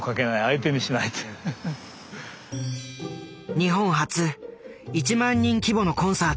日本初１万人規模のコンサート。